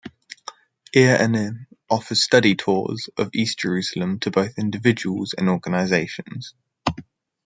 Ir Amim offers study tours of East Jerusalem to both individuals and organizations.